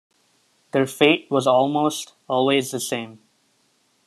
Their fate was almost always the same.